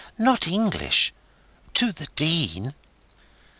"Not English—to the Dean."